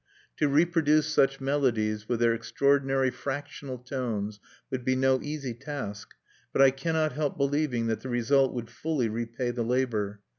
To reproduce such melodies, with their extraordinary fractional tones, would be no easy task, but I cannot help believing that the result would fully repay the labor.